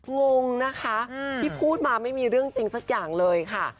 งงนะคะที่พูดมาไม่มีเรื่องจริงสักอย่างเลยค่ะ